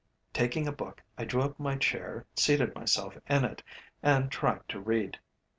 Taking a book I drew up my chair, seated myself in it, and tried to read.